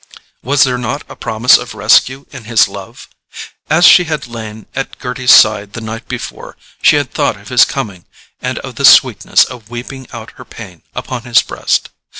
Was there not a promise of rescue in his love? As she had lain at Gerty's side the night before, she had thought of his coming, and of the sweetness of weeping out her pain upon his breast.